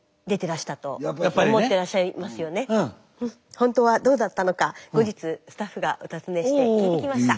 ほんとはどうだったのか後日スタッフがお訪ねして聞いてきました。